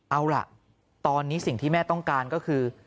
เอาล่ะตอนนี้สิ่งที่แม่ต้องการก็คือ